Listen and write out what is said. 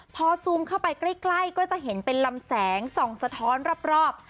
พอซูมเข้าไปใกล้ก็จะเห็นเป็นลำแสงส่องสะท้อนรอบ